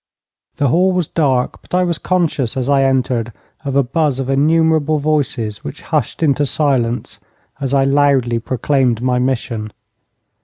The hall was dark, but I was conscious as I entered of a buzz of innumerable voices, which hushed into silence as I loudly proclaimed my mission.